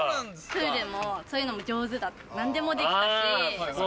プールもそういうのも上手だった何でもできたし。